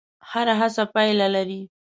هره هڅه پایله لري.